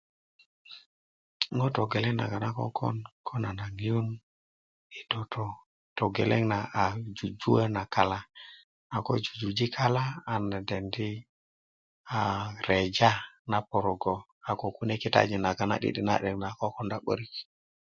ŋo togeleŋ naŋ nan kökö ko nan a ŋiyun tötö togeleŋ na a jujuwö na kala a ko jujuji kala a nan dendi' reja na pörögö a ko kune kitajin nagon na'di'dik nagon kökönda 'börik